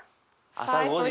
朝５時。